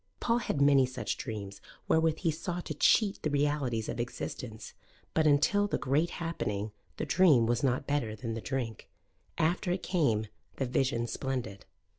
Paul had many such dreams wherewith he sought to cheat the realities of existence: but until the Great Happening the dream was not better than the drink: after it came the Vision Splendid.